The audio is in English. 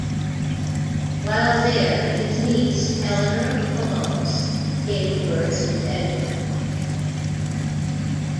While there, his niece, Eleanor of Provence, gave birth to Edward.